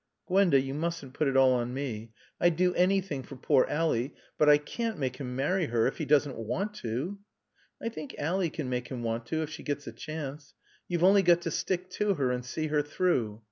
"Gwenda, you mustn't put it all on me. I'd do anything for poor Ally, but I can't make him marry her if he doesn't want to." "I think Ally can make him want to, if she gets a chance. You've only got to stick to her and see her through.